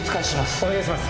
お願いします。